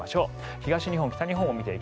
東日本、北日本です。